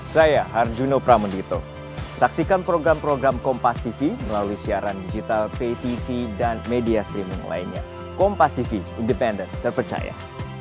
sampai jumpa di video selanjutnya